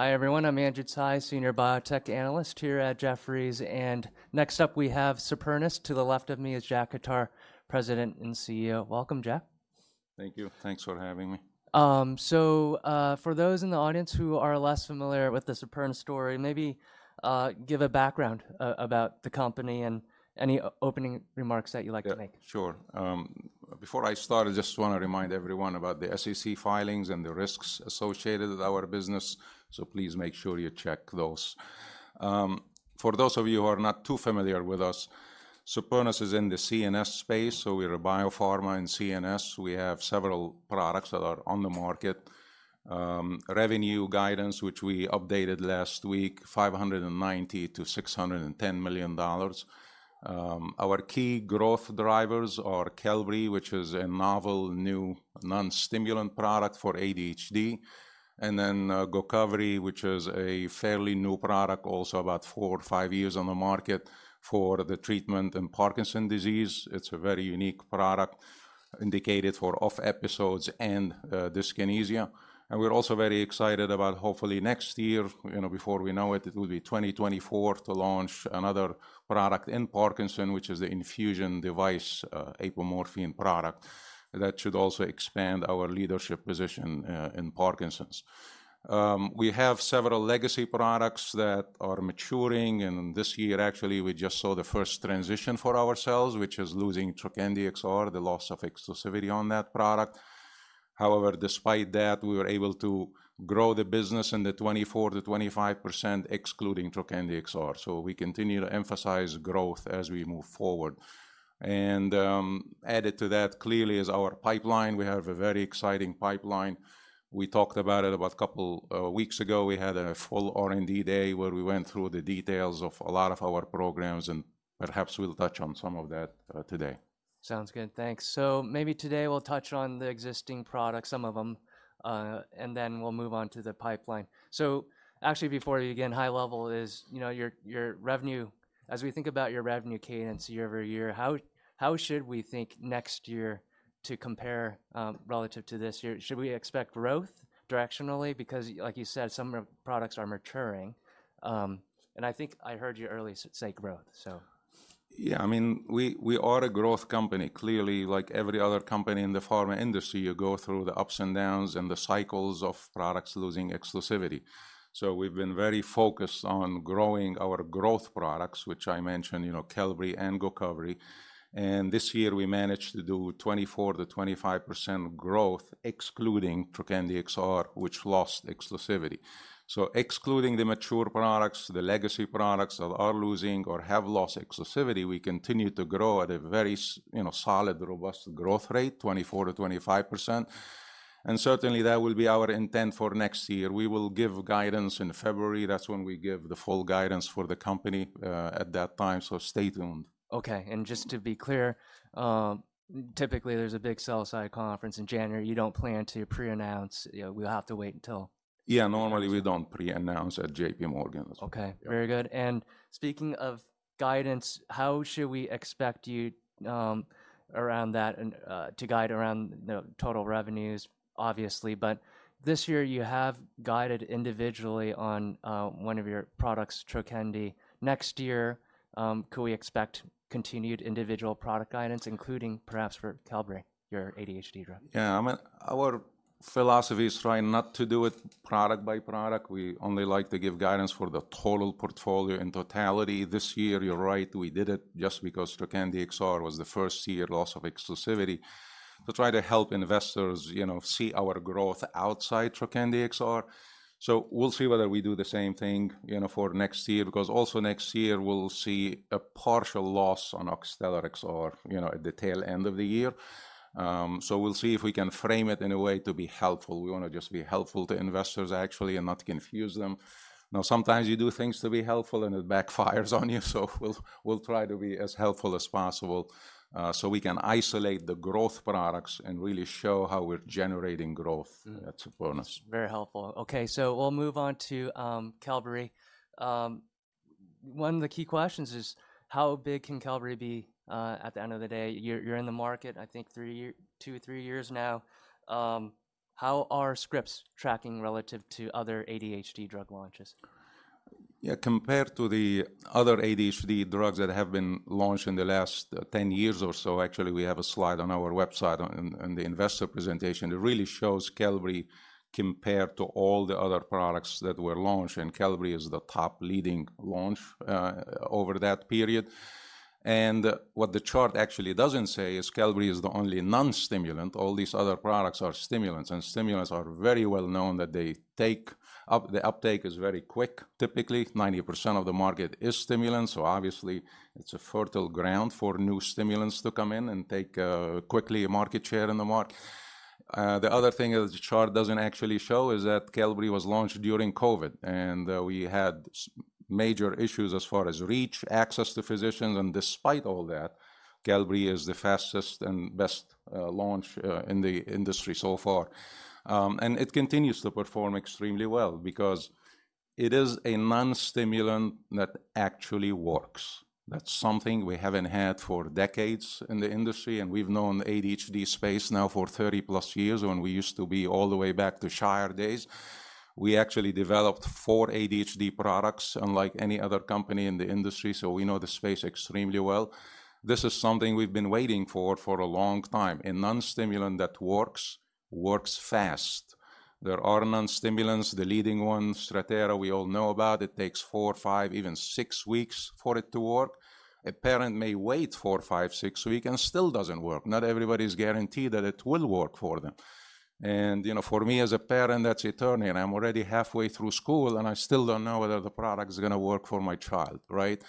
Okay. Hi, everyone, I'm Manjot Singh, Senior Biotech Analyst here at Jefferies, and next up, we have Supernus. To the left of me is Jack Khattar, President and CEO. Welcome, Jack. Thank you. Thanks for having me. So, for those in the audience who are less familiar with the Supernus story, maybe give a background about the company and any opening remarks that you'd like to make. Yeah, sure. Before I start, I just wanna remind everyone about the SEC filings and the risks associated with our business, so please make sure you check those. For those of you who are not too familiar with us, Supernus is in the CNS space, so we're a biopharma in CNS. We have several products that are on the market. Revenue guidance, which we updated last week, $590 million-$610 million. Our key growth drivers are Qelbree, which is a novel, new non-stimulant product for ADHD, and then Gocovri, which is a fairly new product, also about four or five years on the market, for the treatment in Parkinson's disease. It's a very unique product indicated for OFF episodes and dyskinesia. And we're also very excited about hopefully next year, you know, before we know it, it will be 2024 to launch another product in Parkinson's, which is the infusion device, apomorphine product. That should also expand our leadership position, in Parkinson's. We have several legacy products that are maturing, and this year, actually, we just saw the first transition for ourselves, which is losing Trokendi XR, the loss of exclusivity on that product. However, despite that, we were able to grow the business in the 24%-25%, excluding Trokendi XR, so we continue to emphasize growth as we move forward. And added to that, clearly, is our pipeline. We have a very exciting pipeline. We talked about it about a couple weeks ago. We had a full R&D Day where we went through the details of a lot of our programs, and perhaps we'll touch on some of that, today. Sounds good. Thanks. So maybe today we'll touch on the existing products, some of them, and then we'll move on to the pipeline. So actually, before we begin, high level is, you know, your, your revenue... As we think about your revenue cadence year over year, how should we think next year to compare relative to this year? Should we expect growth directionally? Because, like you said, some products are maturing. And I think I heard you earlier say growth, so. Yeah, I mean, we are a growth company. Clearly, like every other company in the pharma industry, you go through the ups and downs and the cycles of products losing exclusivity. So we've been very focused on growing our growth products, which I mentioned, you know, Qelbree and Gocovri, and this year, we managed to do 24%-25% growth, excluding Trokendi XR, which lost exclusivity. So excluding the mature products, the legacy products that are losing or have lost exclusivity, we continue to grow at a very, you know, solid, robust growth rate, 24%-25%, and certainly, that will be our intent for next year. We will give guidance in February. That's when we give the full guidance for the company, at that time, so stay tuned. Okay, and just to be clear, typically, there's a big sell-side conference in January. You don't plan to pre-announce? You know, we'll have to wait until- Yeah, normally we don't pre-announce at J.P. Morgan. Okay. Yeah. Very good. And speaking of guidance, how should we expect you around that and to guide around the total revenues, obviously? But this year you have guided individually on one of your products, Trokendi. Next year, could we expect continued individual product guidance, including perhaps for Qelbree, your ADHD drug? Yeah, I mean, our philosophy is trying not to do it product by product. We only like to give guidance for the total portfolio in totality. This year, you're right, we did it just because Trokendi XR was the first-year loss of exclusivity, to try to help investors, you know, see our growth outside Trokendi XR. So we'll see whether we do the same thing, you know, for next year, because also next year, we'll see a partial loss on Oxtellar XR, you know, at the tail end of the year. So we'll see if we can frame it in a way to be helpful. We wanna just be helpful to investors, actually, and not confuse them. You know, sometimes you do things to be helpful, and it backfires on you, so we'll try to be as helpful as possible, so we can isolate the growth products and really show how we're generating growth- Mm. -at Supernus. Very helpful. Okay, so we'll move on to Qelbree. One of the key questions is, how big can Qelbree be at the end of the day? You're, you're in the market, I think two, three years now. How are scripts tracking relative to other ADHD drug launches? Yeah, compared to the other ADHD drugs that have been launched in the last 10 years or so... Actually, we have a slide on our website on, and the investor presentation. It really shows Qelbree compared to all the other products that were launched, and Qelbree is the top leading launch over that period. And what the chart actually doesn't say is Qelbree is the only non-stimulant. All these other products are stimulants, and stimulants are very well known that they take up, the uptake is very quick. Typically, 90% of the market is stimulants, so obviously it's a fertile ground for new stimulants to come in and take quickly a market share in the market. The other thing is, the chart doesn't actually show is that Qelbree was launched during COVID, and we had major issues as far as reach, access to physicians, and despite all that, Qelbree is the fastest and best launch in the industry so far. It continues to perform extremely well because it is a non-stimulant that actually works. That's something we haven't had for decades in the industry, and we've known the ADHD space now for 30+ years, when we used to be all the way back to Shire days. We actually developed four ADHD products, unlike any other company in the industry, so we know the space extremely well. This is something we've been waiting for for a long time. A non-stimulant that works, works fast. There are non-stimulants, the leading one, Strattera, we all know about. It takes 4, 5, even 6 weeks for it to work. A parent may wait 4, 5, 6 weeks, and still doesn't work. Not everybody's guaranteed that it will work for them. And, you know, for me, as a parent, that's eternity, and I'm already halfway through school, and I still don't know whether the product is gonna work for my child, right?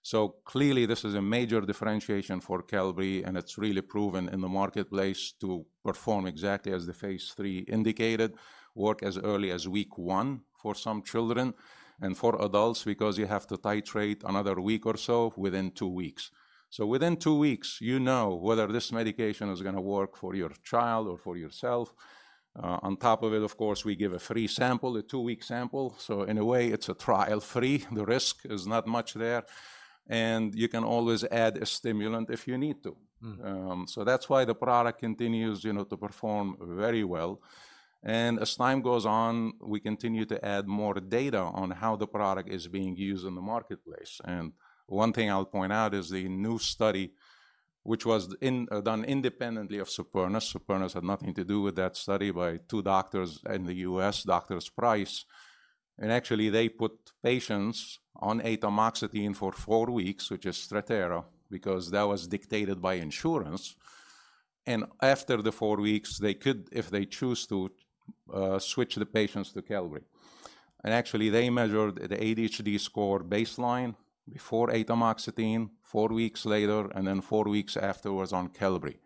So clearly, this is a major differentiation for Qelbree, and it's really proven in the marketplace to perform exactly as the phase III indicated. Work as early as week one for some children and for adults, because you have to titrate another week or so within two weeks. So within two weeks, you know whether this medication is gonna work for your child or for yourself. On top of it, of course, we give a free sample, a two-week sample, so in a way, it's a trial free. The risk is not much there, and you can always add a stimulant if you need to. Mm-hmm. So that's why the product continues, you know, to perform very well. As time goes on, we continue to add more data on how the product is being used in the marketplace. One thing I'll point out is the new study, which was done independently of Supernus. Supernus had nothing to do with that study by two doctors in the US, Doctor Price. Actually, they put patients on atomoxetine for four weeks, which is Strattera, because that was dictated by insurance. After the four weeks, they could, if they choose to, switch the patients to Qelbree. Actually, they measured the ADHD score baseline before atomoxetine, four weeks later, and then four weeks afterwards on Qelbree.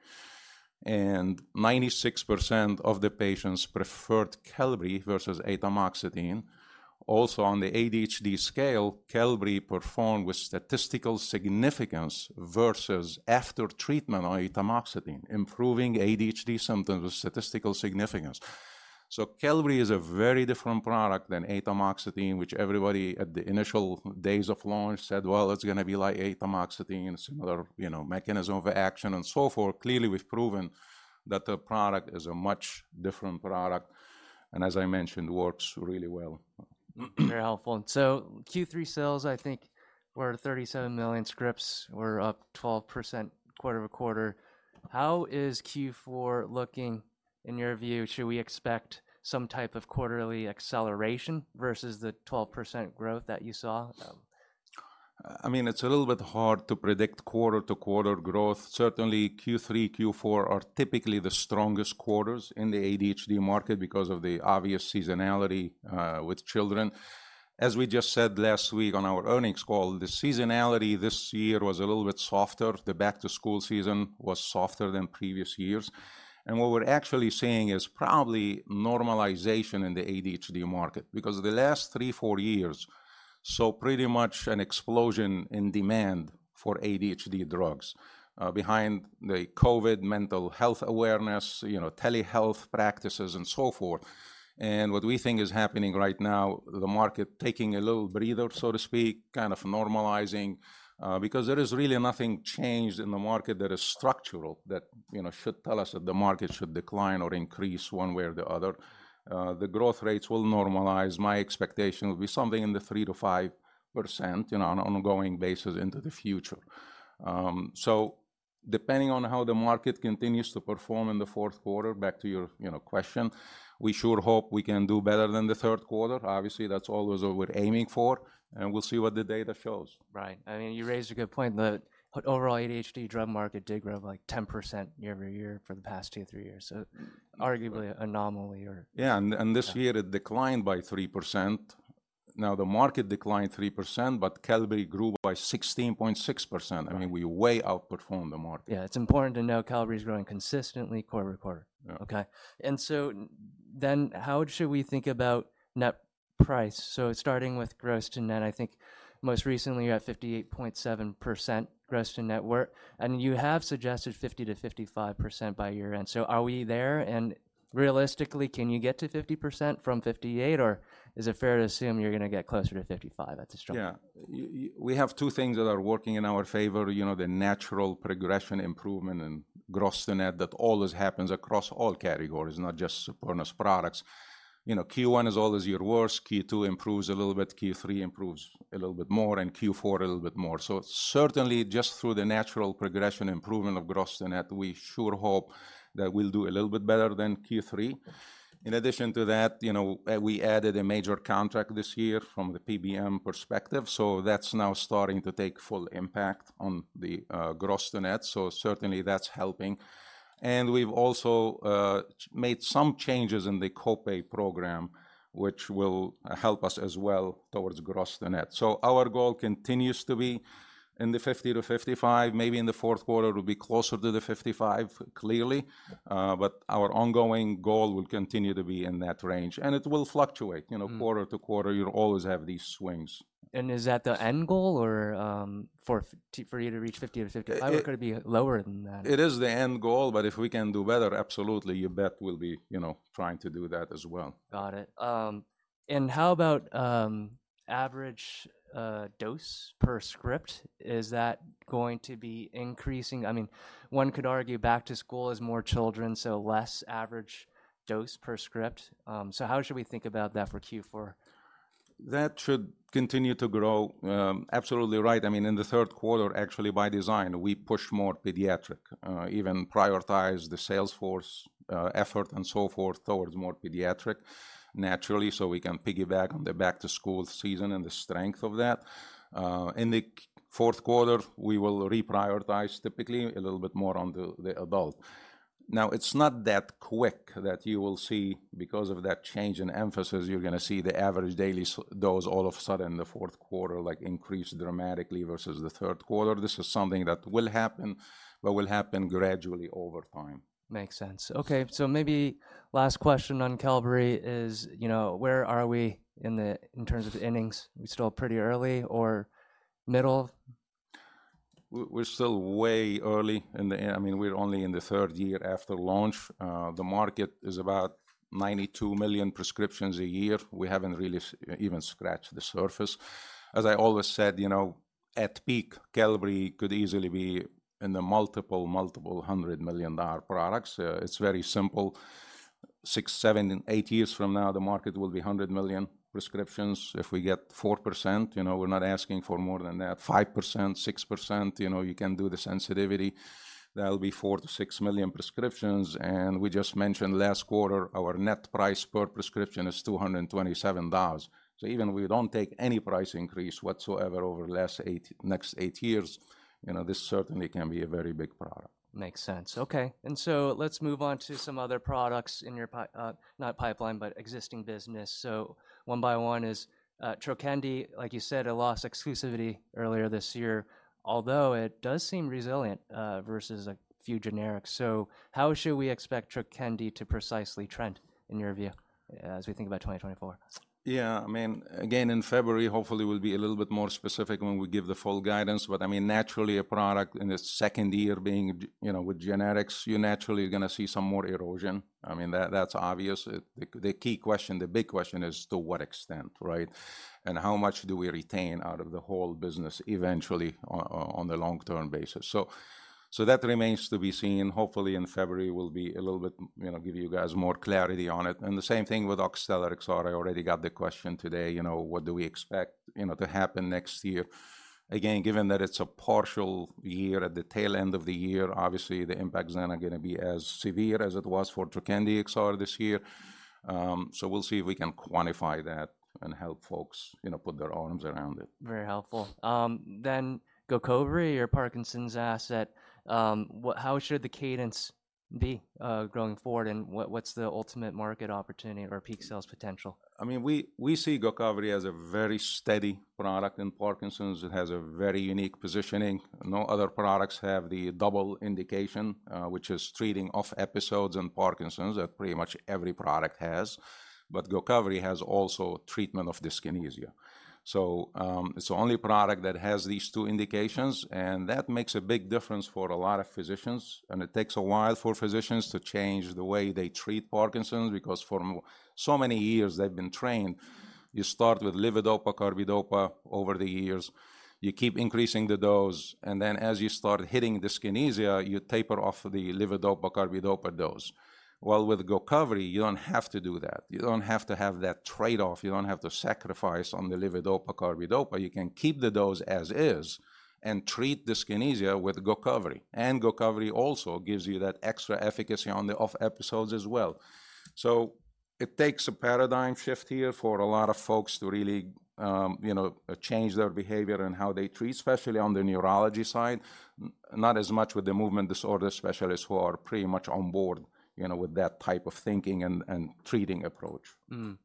Ninety-six percent of the patients preferred Qelbree versus atomoxetine. Also, on the ADHD scale, Qelbree performed with statistical significance versus after treatment on atomoxetine, improving ADHD symptoms with statistical significance. So Qelbree is a very different product than atomoxetine, which everybody at the initial days of launch said: Well, it's gonna be like atomoxetine, a similar, you know, mechanism of action and so forth. Clearly, we've proven that the product is a much different product, and as I mentioned, works really well. Very helpful. And so Q3 sales, I think, were 37 million scripts, were up 12% quarter-over-quarter. How is Q4 looking in your view? Should we expect some type of quarterly acceleration versus the 12% growth that you saw? I mean, it's a little bit hard to predict quarter-to-quarter growth. Certainly, Q3, Q4 are typically the strongest quarters in the ADHD market because of the obvious seasonality with children. As we just said last week on our earnings call, the seasonality this year was a little bit softer. The back-to-school season was softer than previous years. And what we're actually seeing is probably normalization in the ADHD market. Because the last three, four years saw pretty much an explosion in demand for ADHD drugs behind the COVID mental health awareness, you know, telehealth practices and so forth. And what we think is happening right now, the market taking a little breather, so to speak, kind of normalizing, because there is really nothing changed in the market that is structural, that, you know, should tell us that the market should decline or increase one way or the other. The growth rates will normalize. My expectation will be something in the 3%-5%, you know, on an ongoing basis into the future. So depending on how the market continues to perform in the fourth quarter, back to your, you know, question, we sure hope we can do better than the third quarter. Obviously, that's always what we're aiming for, and we'll see what the data shows. Right. I mean, you raised a good point. The overall ADHD drug market did grow by, like, 10% year-over-year for the past two, three years. So arguably an anomaly or- Yeah, and, and this year it declined by 3%. Now, the market declined 3%, but Qelbree grew by 16.6%. Right. I mean, we way outperformed the market. Yeah, it's important to know Qelbree is growing consistently quarter-over-quarter. Yeah. Okay. So then, how should we think about net price? Starting with gross to net, I think most recently you're at 58.7% gross to net, and you have suggested 50%-55% by year-end. So, are we there? And realistically, can you get to 50% from 58, or is it fair to assume you're gonna get closer to 55% at this point? Yeah. We have two things that are working in our favor. You know, the natural progression, improvement, and gross to net, that always happens across all categories, not just Supernus products. You know, Q1 is always your worst, Q2 improves a little bit, Q3 improves a little bit more, and Q4 a little bit more. So certainly, just through the natural progression improvement of gross to net, we sure hope that we'll do a little bit better than Q3. In addition to that, you know, we added a major contract this year from the PBM perspective, so that's now starting to take full impact on the gross to net. So certainly, that's helping. And we've also made some changes in the co-pay program, which will help us as well towards gross to net. So our goal continues to be in the 50-55. Maybe in the fourth quarter, it will be closer to the 55, clearly. But our ongoing goal will continue to be in that range, and it will fluctuate. Mm-hmm. You know, quarter to quarter, you'll always have these swings. Is that the end goal or for you to reach 50 or 55? It- Or could it be lower than that? It is the end goal, but if we can do better, absolutely, you bet we'll be, you know, trying to do that as well. Got it. And how about average dose per script? Is that going to be increasing? I mean, one could argue back to school is more children, so less average dose per script. So how should we think about that for Q4?... That should continue to grow, absolutely right. I mean, in the third quarter, actually, by design, we pushed more pediatric, even prioritize the sales force, effort and so forth towards more pediatric naturally, so we can piggyback on the back-to-school season and the strength of that. In the fourth quarter, we will reprioritize typically a little bit more on the, the adult. Now, it's not that quick that you will see because of that change in emphasis, you're gonna see the average daily dose all of a sudden in the fourth quarter, like increase dramatically versus the third quarter. This is something that will happen, but will happen gradually over time. Makes sense. Okay, so maybe last question on Qelbree is, you know, where are we in terms of innings? We still pretty early or middle? We're still way early in the... I mean, we're only in the third year after launch. The market is about 92 million prescriptions a year. We haven't really even scratched the surface. As I always said, you know, at peak, Qelbree could easily be in the multiple, multiple 100 million dollar products. It's very simple. 6, 7, and 8 years from now, the market will be 100 million prescriptions. If we get 4%, you know, we're not asking for more than that, 5%, 6%, you know, you can do the sensitivity. That'll be 4-6 million prescriptions, and we just mentioned last quarter, our net price per prescription is $227. So even if we don't take any price increase whatsoever over the next eight years, you know, this certainly can be a very big product. Makes sense. Okay, and so let's move on to some other products in your pipeline, not pipeline, but existing business. So one by one is Trokendi, like you said, it lost exclusivity earlier this year, although it does seem resilient versus a few generics. So how should we expect Trokendi to precisely trend, in your view, as we think about 2024? Yeah, I mean, again, in February, hopefully, we'll be a little bit more specific when we give the full guidance, but I mean, naturally, a product in its second year being, you know, with generics, you naturally are gonna see some more erosion. I mean, that, that's obvious. The key question, the big question is: to what extent, right? And how much do we retain out of the whole business eventually on the long-term basis? So that remains to be seen. Hopefully, in February, we'll be a little bit... You know, give you guys more clarity on it. And the same thing with Oxtellar XR. I already got the question today, you know, what do we expect, you know, to happen next year? Again, given that it's a partial year at the tail end of the year, obviously, the impact is not gonna be as severe as it was for Trokendi XR this year. So we'll see if we can quantify that and help folks, you know, put their arms around it. Very helpful. Then Gocovri, your Parkinson's asset, how should the cadence be going forward, and what's the ultimate market opportunity or peak sales potential? I mean, we see Gocovri as a very steady product in Parkinson's. It has a very unique positioning. No other products have the double indication, which is treating OFF episodes in Parkinson's, that pretty much every product has. But Gocovri has also treatment of dyskinesia. So, it's the only product that has these two indications, and that makes a big difference for a lot of physicians, and it takes a while for physicians to change the way they treat Parkinson's, because for so many years, they've been trained. You start with levodopa-carbidopa over the years, you keep increasing the dose, and then as you start hitting dyskinesia, you taper off the levodopa-carbidopa dose. Well, with Gocovri, you don't have to do that. You don't have to have that trade-off. You don't have to sacrifice on the levodopa-carbidopa. You can keep the dose as is and treat dyskinesia with Gocovri. And Gocovri also gives you that extra efficacy on the OFF episodes as well. So it takes a paradigm shift here for a lot of folks to really, you know, change their behavior and how they treat, especially on the neurology side, not as much with the movement disorder specialists who are pretty much on board, you know, with that type of thinking and treating approach.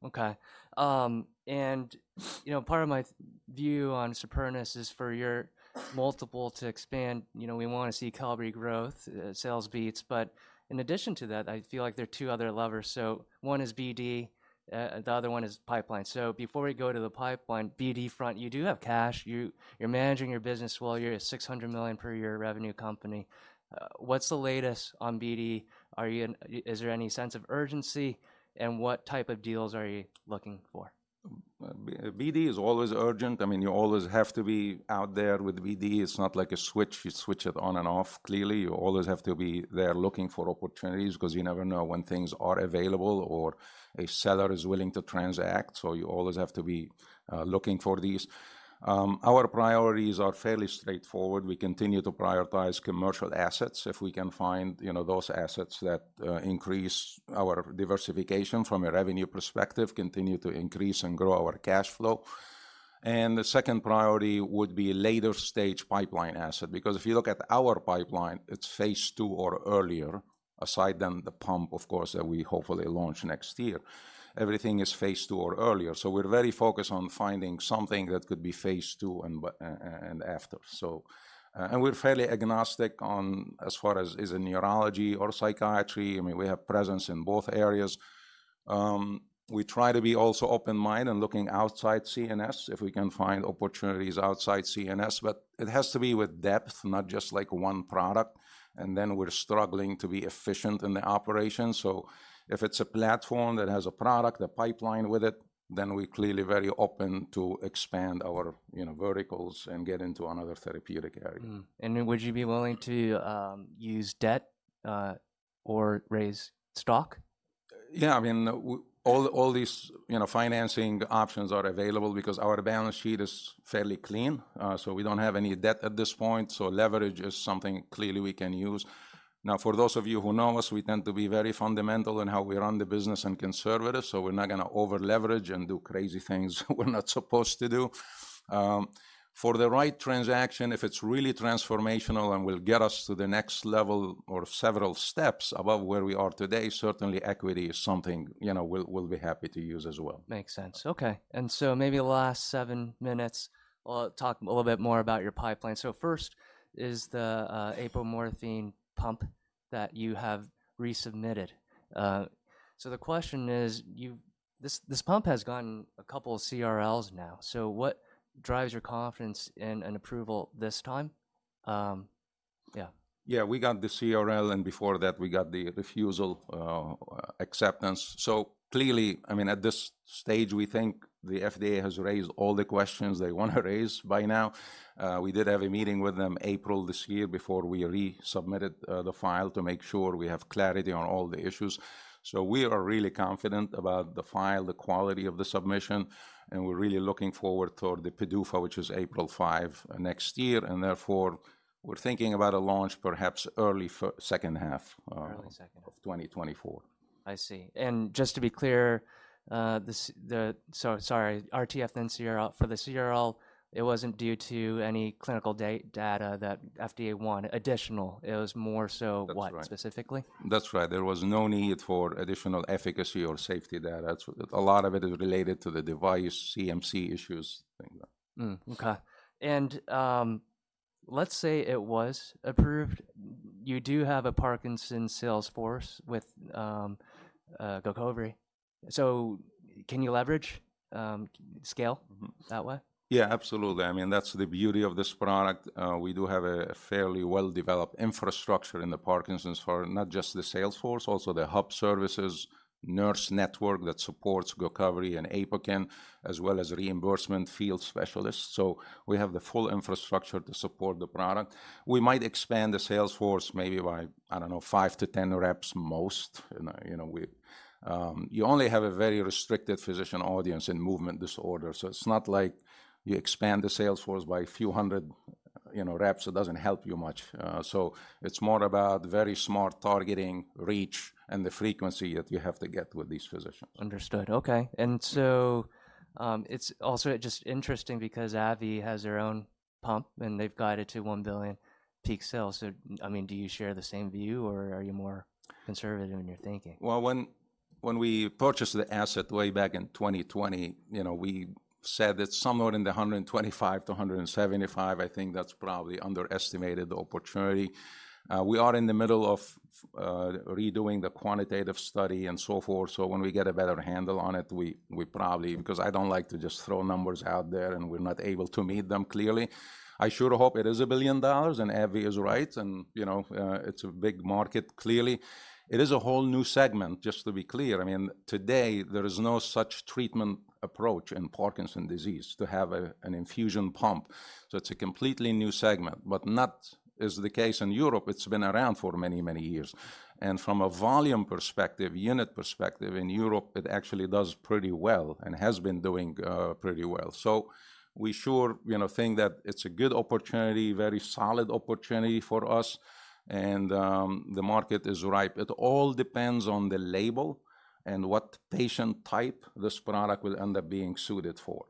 Okay. You know, part of my view on Supernus is for your multiple to expand, you know, we wanna see Qelbree growth, sales beats, but in addition to that, I feel like there are two other levers. So one is BD, the other one is pipeline. So before we go to the pipeline, BD front, you do have cash. You're managing your business well. You're a $600 million per year revenue company. What's the latest on BD? Is there any sense of urgency, and what type of deals are you looking for? BD is always urgent. I mean, you always have to be out there with BD. It's not like a switch, you switch it on and off. Clearly, you always have to be there looking for opportunities because you never know when things are available or a seller is willing to transact, so you always have to be looking for these. Our priorities are fairly straightforward. We continue to prioritize commercial assets if we can find, you know, those assets that increase our diversification from a revenue perspective, continue to increase and grow our cash flow. And the second priority would be later-stage pipeline asset, because if you look at our pipeline, it's phase II or earlier, aside than the pump, of course, that we hopefully launch next year. Everything is phase II or earlier, so we're very focused on finding something that could be phase II and but, and after. So, we're fairly agnostic on, as far as is it neurology or psychiatry, I mean, we have presence in both areas. We try to be also open-minded and looking outside CNS, if we can find opportunities outside CNS, but it has to be with depth, not just like one product, and then we're struggling to be efficient in the operation. So if it's a platform that has a product, a pipeline with it, then we're clearly very open to expand our, you know, verticals and get into another therapeutic area. Would you be willing to use debt or raise stock? Yeah, I mean, all these, you know, financing options are available because our balance sheet is fairly clean. So we don't have any debt at this point, so leverage is something clearly we can use. Now, for those of you who know us, we tend to be very fundamental in how we run the business and conservative, so we're not gonna over-leverage and do crazy things we're not supposed to do. For the right transaction, if it's really transformational and will get us to the next level or several steps above where we are today, certainly equity is something, you know, we'll be happy to use as well. Makes sense. Okay, and so maybe the last seven minutes, talk a little bit more about your pipeline. So first is the apomorphine pump that you have resubmitted. So the question is, this pump has gotten a couple of CRLs now, so what drives your confidence in an approval this time? Yeah. Yeah, we got the CRL, and before that, we got the refusal.. acceptance. So clearly, I mean, at this stage, we think the FDA has raised all the questions they wanna raise by now. We did have a meeting with them April this year before we resubmitted the file to make sure we have clarity on all the issues. So we are really confident about the file, the quality of the submission, and we're really looking forward toward the PDUFA, which is April 5 next year, and therefore, we're thinking about a launch, perhaps early second half. Early second... of 2024. I see. And just to be clear, So sorry, RTF, then CRL. For the CRL, it wasn't due to any clinical data that FDA wanted additional. It was more so what- That's right... specifically? That's right. There was no need for additional efficacy or safety data. That's a lot of it is related to the device CMC issues, things like that. Okay. Let's say it was approved, you do have a Parkinson's sales force with Gocovri. So can you leverage scale- Mm-hmm... that way? Yeah, absolutely. I mean, that's the beauty of this product. We do have a fairly well-developed infrastructure in the Parkinson's for not just the sales force, also the hub services, nurse network that supports Gocovri and Apokyn, as well as reimbursement field specialists. So we have the full infrastructure to support the product. We might expand the sales force maybe by, I don't know, 5-10 reps at most. You know, you know, we... You only have a very restricted physician audience in movement disorder, so it's not like you expand the sales force by a few hundred, you know, reps, it doesn't help you much. So it's more about very smart targeting, reach, and the frequency that you have to get with these physicians. Understood. Okay. And so, it's also just interesting because AbbVie has their own pump, and they've guided to $1 billion peak sales. So, I mean, do you share the same view, or are you more conservative in your thinking? Well, when we purchased the asset way back in 2020, you know, we said it's somewhere in the $125 million-$175 million. I think that's probably underestimated the opportunity. We are in the middle of redoing the quantitative study and so forth, so when we get a better handle on it, we probably, because I don't like to just throw numbers out there, and we're not able to meet them clearly. I sure hope it is $1 billion, and AbbVie is right, and, you know, it's a big market clearly. It is a whole new segment, just to be clear. I mean, today, there is no such treatment approach in Parkinson's disease to have an infusion pump, so it's a completely new segment, but that's not the case in Europe. It's been around for many, many years. And from a volume perspective, unit perspective, in Europe, it actually does pretty well and has been doing pretty well. So we sure, you know, think that it's a good opportunity, very solid opportunity for us, and the market is ripe. It all depends on the label and what patient type this product will end up being suited for.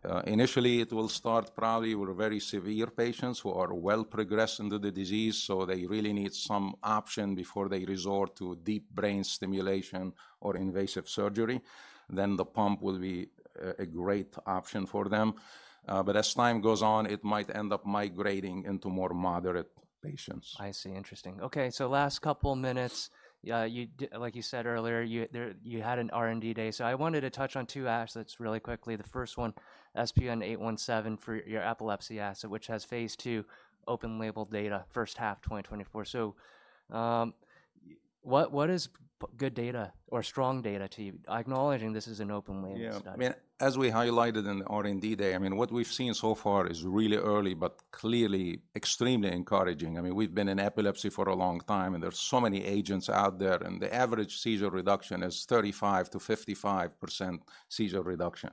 Okay. Initially, it will start probably with very severe patients who are well progressed into the disease, so they really need some option before they resort to deep brain stimulation or invasive surgery. Then the pump will be a great option for them. But as time goes on, it might end up migrating into more moderate patients. I see. Interesting. Okay, so last couple minutes, like you said earlier, you had an R&D Day. So I wanted to touch on two assets really quickly. The first one, SPN-817, for your epilepsy asset, which has phase II open label data, first half 2024. So, what is good data or strong data to you? Acknowledging this is an open-label study. Yeah, I mean, as we highlighted in the R&D Day, I mean, what we've seen so far is really early, but clearly extremely encouraging. I mean, we've been in epilepsy for a long time, and there are so many agents out there, and the average seizure reduction is 35%-55% seizure reduction.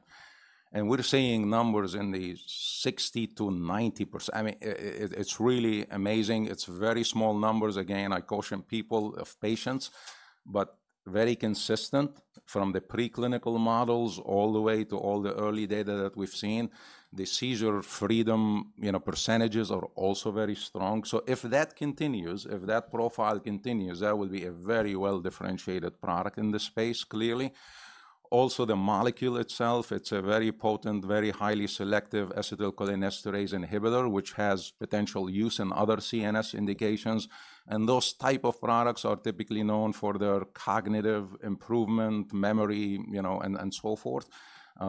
And we're seeing numbers in the 60%-90%. I mean, it's really amazing. It's very small numbers. Again, I caution number of patients, but very consistent from the preclinical models all the way to all the early data that we've seen. The seizure freedom, you know, percentages are also very strong. So if that continues, if that profile continues, that will be a very well-differentiated product in this space, clearly. Also, the molecule itself, it's a very potent, very highly selective acetylcholinesterase inhibitor, which has potential use in other CNS indications, and those type of products are typically known for their cognitive improvement, memory, you know, and, and so forth.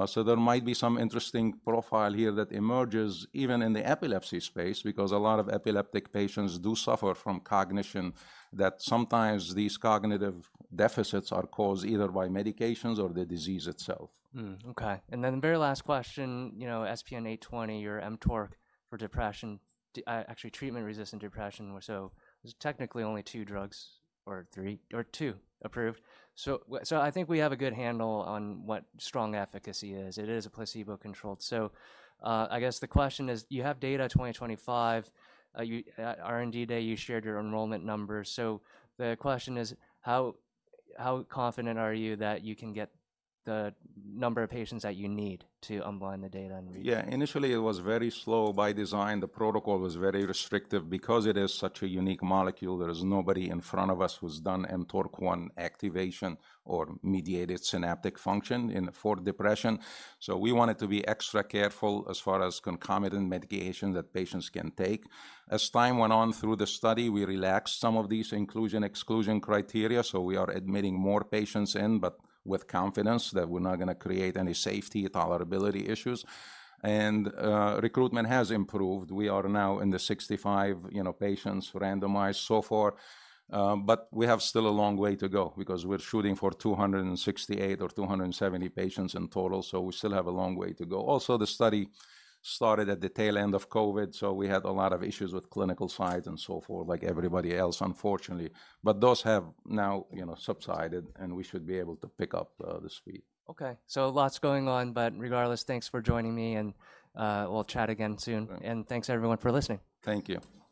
So there might be some interesting profile here that emerges even in the epilepsy space, because a lot of epileptic patients do suffer from cognition, that sometimes these cognitive deficits are caused either by medications or the disease itself. Okay, and then the very last question, you know, SPN-820, your mTORC1 for depression, actually treatment-resistant depression, so there's technically only two drugs, or three, or two approved. So I think we have a good handle on what strong efficacy is. It is a placebo-controlled. So, I guess the question is, you have data 2025, at R&D Day, you shared your enrollment numbers. So the question is, how confident are you that you can get the number of patients that you need to unblind the data and read? Yeah, initially, it was very slow by design. The protocol was very restrictive because it is such a unique molecule. There is nobody in front of us who's done mTORC1 activation or mediated synaptic function in, for depression. So we wanted to be extra careful as far as concomitant medication that patients can take. As time went on through the study, we relaxed some of these inclusion/exclusion criteria, so we are admitting more patients in, but with confidence that we're not gonna create any safety or tolerability issues. And, recruitment has improved. We are now in the 65, you know, patients randomized so far, but we have still a long way to go because we're shooting for 268 or 270 patients in total, so we still have a long way to go. Also, the study started at the tail end of COVID, so we had a lot of issues with clinical sites and so forth, like everybody else, unfortunately. But those have now, you know, subsided, and we should be able to pick up the speed. Okay, so lots going on, but regardless, thanks for joining me, and we'll chat again soon. Okay. Thanks, everyone, for listening. Thank you.